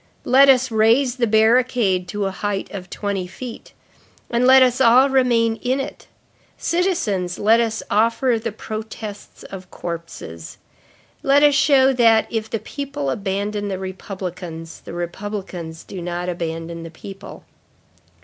Let us raise the barricade to a height of twenty feet, and let us all remain in it. Citizens, let us offer the protests of corpses. Let us show that, if the people abandon the republicans, the republicans do not abandon the people."